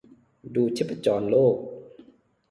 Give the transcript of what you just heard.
ดูชีพจรโลก